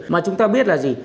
mà chúng ta biết là gì